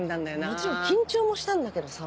もちろん緊張もしたんだけどさ